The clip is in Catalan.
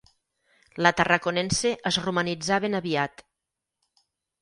La Tarraconense es romanitzà ben aviat.